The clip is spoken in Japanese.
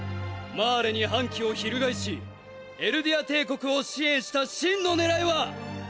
マーレに反旗を翻しエルディア帝国を支援した真の狙いは！！